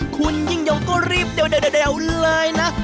คุณยิ่งยงก็รีบเร็วเลยนะ